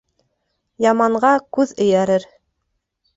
Яманға күҙ эйәрер.